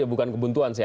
bukan kebuntuan sih